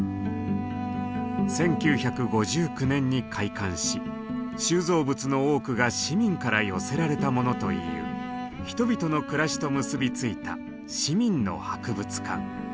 １９５９年に開館し収蔵物の多くが市民から寄せられたものという人々の暮らしと結び付いた市民の博物館。